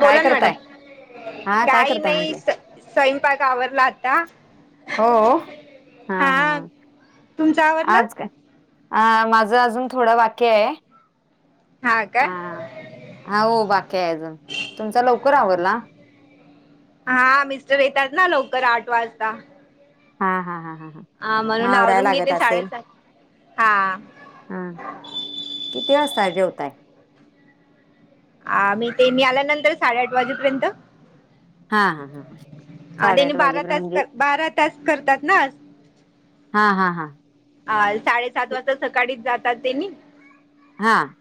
काय ना मॅडम करताय? हा काय काही करताय नाही म्हटले? स्वयंपाक आवरला आता हो हा हा तुमचा आवरला? आज काय अ माझं अजून थोडं बाकी आहे. हा हा हो बाकी आहे अजून तुमचा लवकर आवरला. हा मिस्टर येतात ना लवकर आठ वाजता. हा हा हा हा हा ह मग म्हणून आवरायला आवरून लागत घेते असेल साडेसात हा हा किती वाजता जेवताय? आम्ही तेनी आल्यानंतर साडेआठ वाजेपर्यंत.. हा हा हा हां हा त्यांनी बारा तास, बारा तास करतात ना. हा हा हा अ साडेसात वाजता सकाळीच जातात तेनी.. हां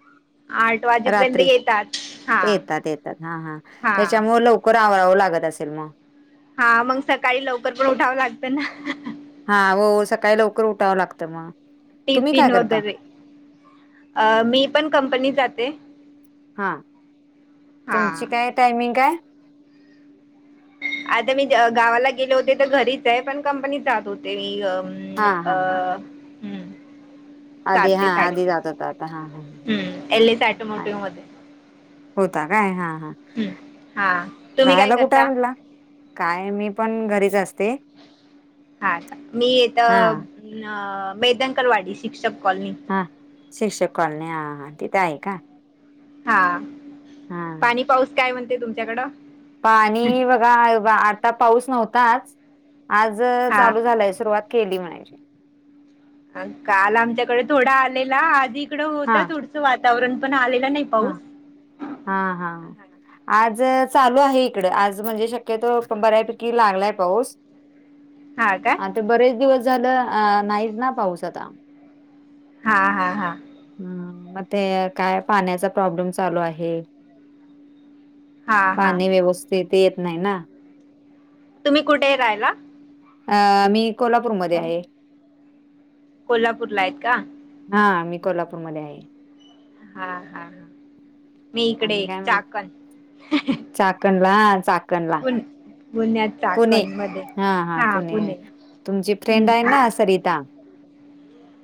वाजेपर्यंत रात्री येतात हा येतात -येतात हा हा त्याच्यामुळे लव कर आवरावं लागत असेल मग हा मग सकाळी लवकर पण उठावं लागतं ना. हा हो हो सकाळी लवकर उठावं लागतं मग. तुम्ही काय टिफिन करता? वगैरे मी पण कंपनीत जाते. हा तुमची हा काय टायमिंग आहे? आता मी गावाला गेले होते तर घरीच आहे पण कंपनीत जात होते मी ह हा अ हा हा हं सात आधी हा ते आधी जात होता आता हा हा साडेतीन हा. हुं एलीस ऑटोमोटिव आणि मध्ये होता काय हा हा हम्म हा तुम्ही काय राहायला कुठेय करता म्हंटला? काय मी पण घरीच असते. हा मी हा इथं मेदनकरवाडी शिक्षक कॉलनी. हा शिक्षक कॉलनी हा हां तिथे आहे का? हा हा पाणी पाऊस काय म्हणते तुमच्याकडं? पाणी बघा आता पाऊस नव्हताच आज हा चालू झालायं सुरुवात केली म्हणायची. अ काल आमच्याकडे थोडा आलेला आधी इकडं हा होता थोडसं वातावरण पण आलेलं नाही. हा पाऊस हा हा आज चालू आहे इकडे आज म्हणजे शक्यतो बऱ्यापैकी लागलाय पाऊस [unintelligible] हा का आता बरेच दिवस झालं अ नाहीच ना पाऊस आता हा हा हा हा मग ते काय पाण्याचा प्रॉब्लेम चालू आहे. हा हा पाणी व्यवस्थित येत नाही ना. तुम्ही कुठे आहे राहायला? अ मी कोल्हापूरमध्ये आहे. कोल्हापूर ला आहेत का. हा मी कोल्हापूरमध्ये आहे. हा हा हा मी इकडे चाकण चाकण ला चाकण ला पुण्यात पुणे चाकण मध्ये हा हा पुणे तुमची फ्रेंड आहे हम्म ना सरिता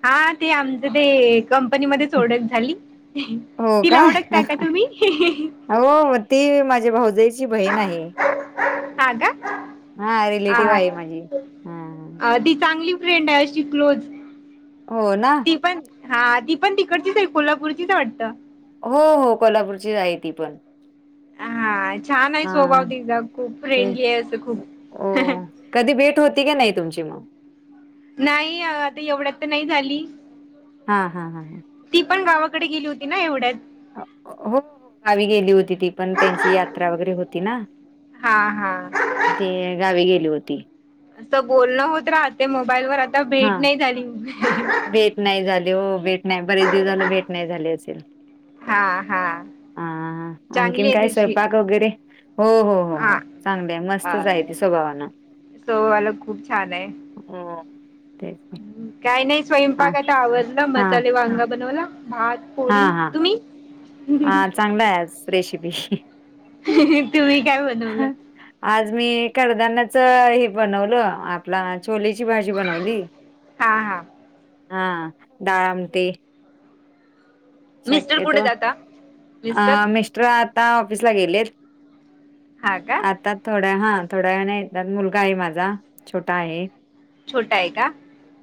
हा ते आमचं ते कंपनीमध्येध्येच ओळख झाली ती ला ओड का तुम्ही? हो ती माझ्या भाऊजईची बहीण आहे. हा का हा रिलेटिव्ह आहे माझी हा अ ती चांगली फ्रेंडा अशी क्लोज हो ना ती पण हा ती पण तिकडचीच आहे कोल्हापूरचीच वाटतं हो हो कोल्हापूरची आहे ती पण हा छान आहे स्वभाव हा तिचा खूप ते फ्रेंडली आहे असं खूप हो कधी भेट होती की नाही तुमची मग नाही आता एवढ्यात तर नाही झाली हां हां हां हां ती पण गावाकडे गेली होती ना एवढ्यात हो हो गावी गेली होती ती पण त्यांची यात्रा वगैरे होती ना हा हा ते गावी गेली होती असं बोलणं होत राहते मोबाईलवरर आता हा भेट नाही झाली भेट नाही झाली हो भेट नाही बरेच दिवसाला भेट नाही झाली असेल हा हा हा चांगली आणखीन आहे काय तुझी स्वयंपाक वगैरे हो हो हो हा चांगली मस्तचय त स्वभावान सो वाला खूप छान आहे हम ते काय नाही स्वयंपाक आता आवरला हा मसाले वांगा बनवला भात हा पोळी हा तुम्ही हा चांगला आहे आ रेसिपी तुम्ही काय बनवलं आज मी कडधान्यांचा हे बनवलं आपलं छोलेची भाजी बनवली हा हा हा डाळ आमट मिस्टर शक्यतो कुठे जाता अ मिस्टर आता ऑफिसला गेले हा का आता थोड्या हा थोड्या नाही मुलगा आहे माझा छोटा आहे छोटा आहे का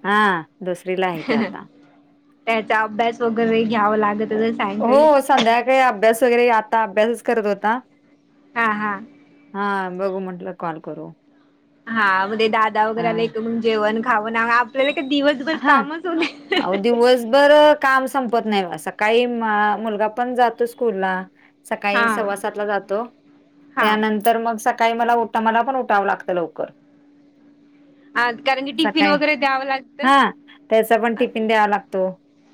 हा दुसरी ला त्याचा अभ्यास वगैरे घ्यावा लागत सायंकाळी त संध्याकाळी अभ्यास वगैरे आता अभ्यासच करत होता हा हा हा बघू म्हटलं कॉल करू हा म्हणे दादा वगैरेला हा एक जेवण खाऊन आपल्याला का दिवसभर हा कामच अहो होते दिवसभर काम संपत नाही सकाळी मुलगा पण जातो स्कूल ला हा सकाळी सव्वा सातला जातो हा त्यानंतर मग सकाळी मला उटा मला पण उठावं लागतं लवकर ह कारण की टिफिन वगैरे द्याव लाग हा त्याचा पण टिफिन द्यावा लागतो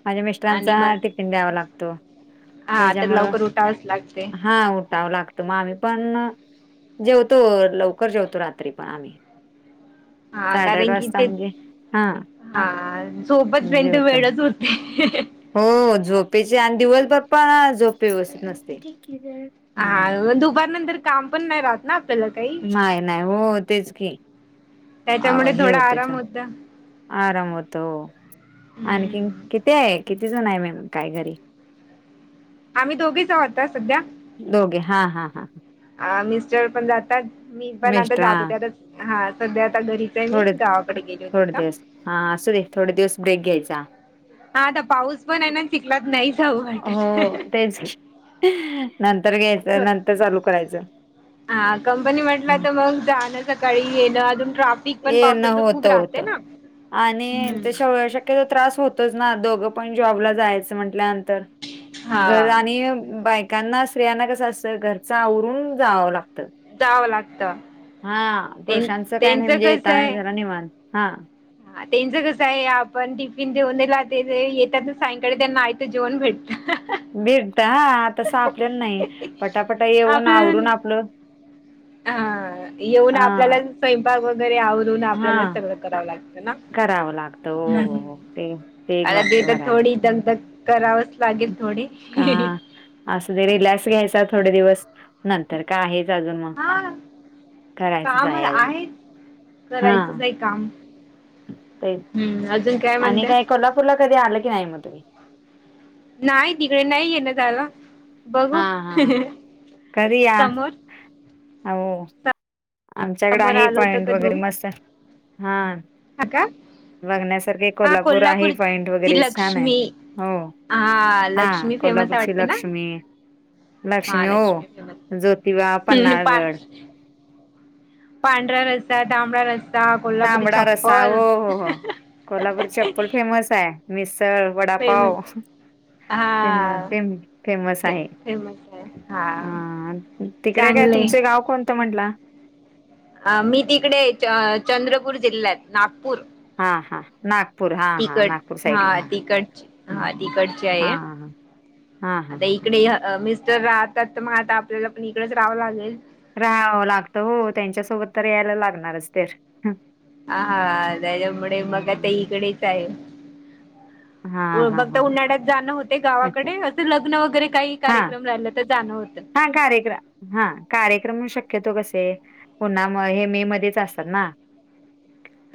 माझ्या आणि मिस्टरांचा मग टिफिन द्यावा लागतो हा तर त्याच्यामुळं लवकर उठावच लागते हा ाव लागत मग आम्ही पण जेवतो लवकर जेवतो रात्री पण आम्ही हा कारण की वाजता ते म्हणजे हां, हा सोबत पंत जेवतो. वेळच होत ह हो झोपेचे आणि दिवसभर पण झोपे व्यवस्थित नसते हां, हा दुपार नंतर काम पण नाही राहत ना आपल्याला काही नाही नाही हो होतेच की त्याच्यामुळे हे थोडा होतेच आराम होता आराम होतो आणखीन हम्म किती आहे किती जण आहे म काय घरी आम्ही दोघी जा होता सध्या दोघे हा हा हा अ मिस्टर पण जातात मी पण आता मिस्टर जात हां, होते आता हा सध्या आता घरी मी थोडे गावाकडे गेली होती थोडे का दिवस हा असू दे थोडे दिवस ब्रेक घ्यायचा हाता पाऊस पण आहे ना चीकलात नाही जाऊ वाट हो तेच की. नंतर घ्यायचं नंतर चालू करायचं हा कंपनी म्हटलं तर मग जाणं सकाळी येण अजून ट्राप हे न होत होत आणि स शक्के त्रास होतच ना दोघं पण जॉबला जायचं म्हंटल्यानंतर घर हा आणि बायकांना स्त्रियांना कस असतं घरच आवरून जावं लागत जावं लागत त्यां हा पुरुषांचं काय नाही त्यांचं म्हणजे कसं येताना आहे जरा निवांत हा हा त्यांचं कसं आहे आपण टिफिन देेऊनला ते येतात ना सायंकाळी त्यांना यतं जेवण भेटत भेटता हा तस आपलेला नाही पटापटा येऊन आवरून आपण आपलं हा येऊन अ आपल्याला स्वयंपाक वगैरे आवरून आपल्याला हा सगळं करावं लागतं ना करावं लागतं हो ते वेग आता वाग्य ते थोडी दगधग करावच लागेल थोडी असं ते रिलॅक्स घ्यायचा थोडे दिवस नंतर का आहेच अजून मग हा करायचंच काम आहेल आहेच हा करायचंच आहे काम. ते हम्म अजून आणि म्हणते काय कोल्हापूरला कधी आलं की नाही मग तुम्ही नाही तिकडे नाही येे ना त्याला हा हा घरीया समोर हो आमच्याकडे समोर आहे आलो तर पॉइंट कधी वगैरे बघू मस्त हा हा का बघण्यासारखे कोल्हापूर आहे पॉइंट ची वगैरे छान आहे लक्ष्मी हो हा लक्ष्मी फेमस आहे कोल्हापूरची वाटते ना लक्ष्मी लक्ष्मी हो महालक्ष्मी ज्योतिबा फेमस पा पन्नाळगड पांढरा रस्सा तांबड रस्सा कोल्हापुरी तांबडा रसा हो छप्पल हो हो कोल्हापूर च प्पल फेमस आहे मिसळ फेमस वडापाव फम हा फम फेमस आहे फेमस आहे हा ह तिकडे काय चांगले तुमचे गाव कोणतं म्हटलं अ मी तिकडे चंद्रपूर जिल्ह्यात नागपूर हा हा नागपूर हा हा तिकड नागपूर हा साईडला तिकड हा तिकड चे हा आहे हा हा हा आता हा हा ह इकडे मिस्टर राहतात तर मग आता आपल्याला पण इकडेच राहावं लागेल रा लागत हो त्यांच्यासोबत तर यायला लागणारच तर ह हा त्याच्यामुळे मग आता इकडेच आहे हा बघता ह उन्हाळ्यात जाणं होते गावाकडे असं लग्न वगैरे काही कार्यक्रम राहिला तर जाणं होत कार्यक्र हा कार्यक्रम शक्यतो कसे पुन्हा हे मे मध्येच असतात ना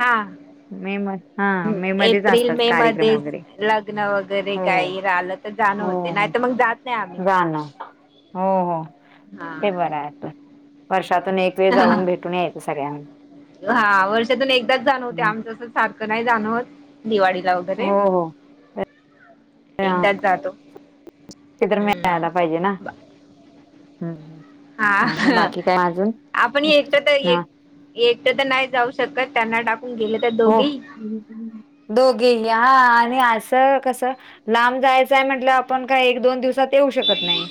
हां मे म हा मे मध्येच एप्रिल असतात मे कार्यक्रम मध्ये वगैरे लग्न वगैरे हो काही रालं जाण होते नाही तर मग नाही आम्ही जाण हो हो हा. ते बरं आहे वर्षातून एक वेळ जाऊन भेटून यायचं सगळ्यांना हा वर्षातून एकदाच जाण होते हां. आमच सारखं नाही जाणवत दिवाळीला हो वगैरे हो तर एकदाच जातो किधर मला पाईे ना हम्म हम् हा आपण एकट तर ह एक एक तर तर नाही जाऊ शकत त्यांना टाकून गेलं हो दोघे हा आणि असं कसं लांब जायचंय म्हटलं आपण काही एक दोन दिवसात येऊ शकत नाही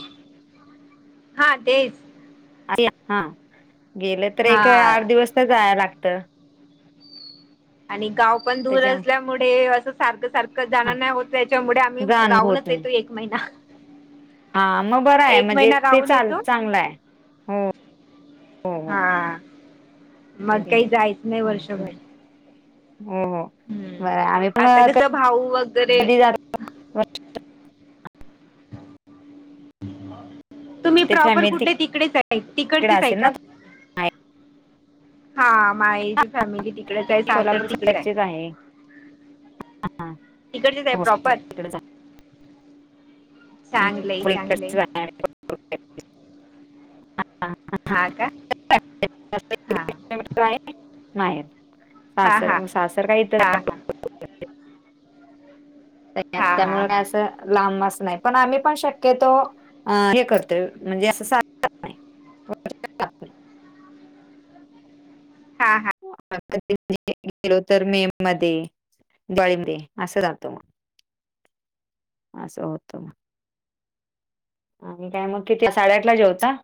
हा तेच हा गेलं तर हा एक आठ दिवस जा लागत आणि गाव पण दूर त्याच्या असल्यामुळे अस सारखं सारखं जाणार नाही होत त्याच्यामुळे आम्ही जाण होत राहूनच नाही येतो एक महिना हा मग बरं आहे एक म्हणजे महिना ते राहून चाल येतो चांगलं आहे हो हो हो हा मग ते काही जायचं नाही आणखी काय? वर्षभर हो हो हम्म बर आम्ही पण आता कसं भाऊ वगैरे कधी तुम्ही ते प्रॉपर फॅमिली कुठले तिकडेच आहे तिकडे तिकडचेच आहे असेल का ना तुमची? हा माय जी फॅमिली तिकडेच आहे सासर कोल्हापूर तिकडे आहे साईडचेच हा तिकडचेच आहे हो प्रॉपर इकडेच चांगलंय पुच चांगलंय हा का हा आहे नाही हां सासर हां मग सासर का इत हां हां हां त्यामुळे हां का हां असं लांबच नाही पण आम्ही पण शक्यतो अ हे करते म्हणजे अस हा हा गेलो तर मे मध्ये बळीब दे असं जातो मग असं होत मग आणि काय मग किती साडेआठला जेवता